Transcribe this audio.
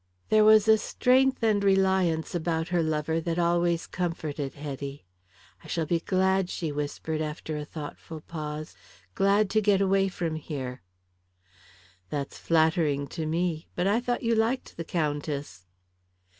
There was a strength and reliance about her lover that always comforted Hetty. "I shall be glad," she whispered, after a thoughtful pause, "glad to get away from here." "That's flattering to me. But I thought you liked the Countess."